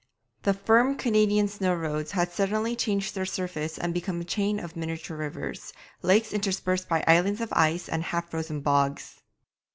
The firm Canadian snow roads had suddenly changed their surface and become a chain of miniature rivers, lakes interspersed by islands of ice, and half frozen bogs.